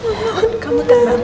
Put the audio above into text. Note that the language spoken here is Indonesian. mama aku takut kan